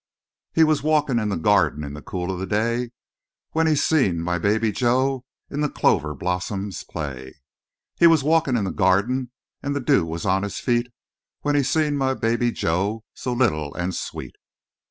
"He was walkin' in the gyarden in the cool o' the day When He seen my baby Jo in the clover blossoms play. "He was walkin' in the gyarden an' the dew was on His feet When He seen my baby Jo so little an' sweet.